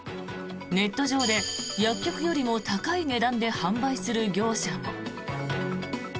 ネット上で薬局よりも高い値段で販売する業者も。